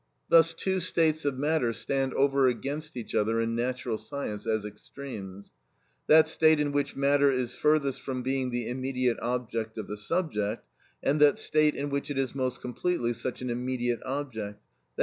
Thus two states of matter stand over against each other in natural science as extremes: that state in which matter is furthest from being the immediate object of the subject, and that state in which it is most completely such an immediate object, _i.